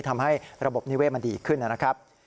ทำให้ระบบนิเวศมันดีขึ้นนะครับ